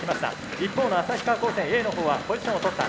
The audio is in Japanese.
一方の旭川高専Ａのほうはポジションを取った。